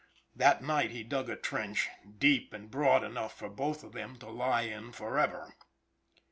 That night he dug a trench deep and broad enough for both of them to lie in forever.